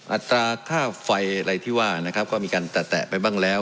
อัตราค่าไฟอะไรที่ว่านะครับก็มีการแตะไปบ้างแล้ว